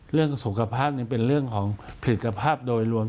เรื่องสุขภาพยังเป็นเรื่องของผลิตภาพโดยรวม